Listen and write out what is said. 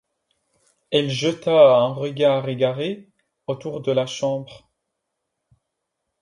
Elle jeta un regard égaré autour de la chambre.